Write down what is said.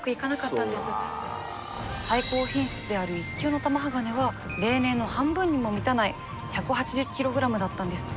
最高品質である一級の玉鋼は例年の半分にも満たない１８０ｋｇだったんです。